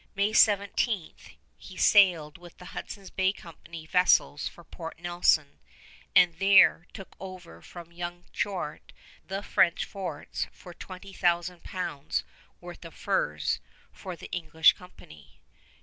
May 17 he sailed with the Hudson's Bay Company vessels for Port Nelson, and there took over from young Chouart the French forts with 20,000 pounds worth of furs for the English company.